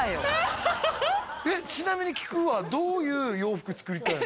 ちなみに聞くわどういう洋服作りたいの？